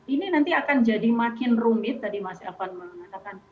ini nanti akan jadi makin rumit tadi mas elvan mengatakan